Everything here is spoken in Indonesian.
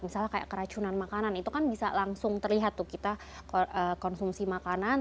misalnya kayak keracunan makanan itu kan bisa langsung terlihat tuh kita konsumsi makanan